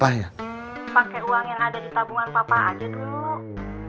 pakai uang yang ada di tabungan papa aja dulu